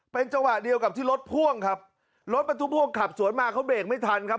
เป็นจังหวะเดียวกับที่รถพ่วงครับรถบรรทุกพ่วงขับสวนมาเขาเบรกไม่ทันครับ